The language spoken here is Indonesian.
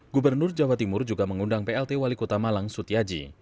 gubernur jawa timur juga mengundang plt wali kota malang sutiaji